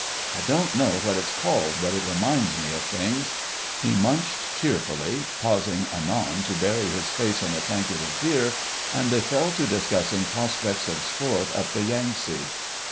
I don't know what it's called, but it reminds me of things." He munched cheerfully, pausing anon to bury his face in a tankard of beer, and they fell to discussing prospects of sport up the Yangtse.